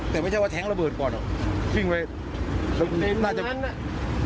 แต่ไม่ใช่ว่าแท้งระเบิดก่อนหรอ